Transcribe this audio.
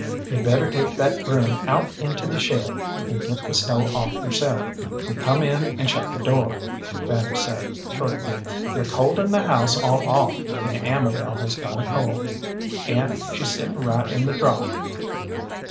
"You'd better take that broom out into the shed, and get the snow off yourself, and come in and shut the door," Fanny said, shortly. "You're colding the house all off, and Amabel has got a cold, and she's sitting right in the draught."